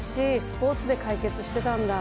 スポーツで解決してたんだ。